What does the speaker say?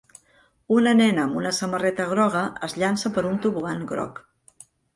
Una nena amb una samarreta groga es llança per un tobogan groc.